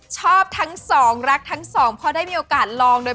ชอบทั้ง๒รักทั้ง๒พอได้มีโอกาสลองด้วย